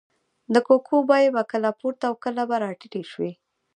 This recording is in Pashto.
د کوکو بیې به کله پورته او کله به راټیټې شوې.